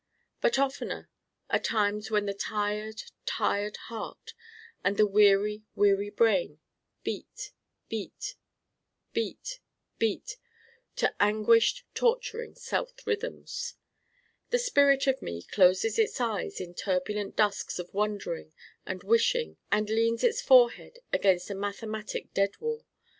But oftener are times when the tired, tired heart and the weary, weary brain beat beat, beat beat to anguished torturing self rhythms. The spirit of me closes its eyes in turbulent dusks of wondering and wishing and leans its forehead against a mathematic dead wall.